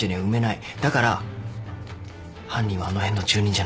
だから犯人はあの辺の住人じゃない。